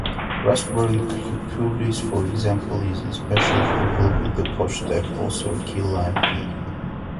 Raspberry coulis, for example, is especially popular with poached apples or Key lime pie.